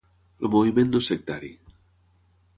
El moviment no és sectari.